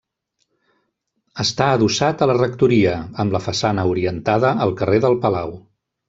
Està adossat a la rectoria, amb la façana orientada al carrer del Palau.